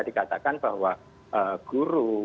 dikatakan bahwa guru